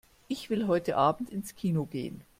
Ich will heute Abend ins Kino gehen.